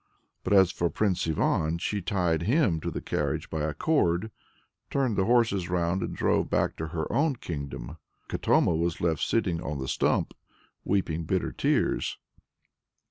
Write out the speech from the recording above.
But as for Prince Ivan, she tied him to the carriage by a cord, turned the horses round, and drove back to her own kingdom. Katoma was left sitting on the stump, weeping bitter tears.